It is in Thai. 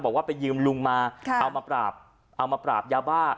บอกว่าไปยืมลุงมาเอามาปราบเอามาปราบยาบ้า